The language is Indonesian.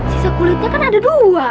sisa kulitnya kan ada dua